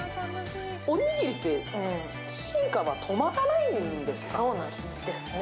おにぎりって進化が止まらないんですね。